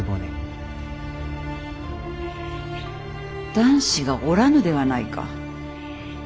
男子がおらぬではないか。